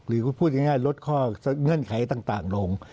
พูดง่ายลดข้อเงื่อนไขต่างลง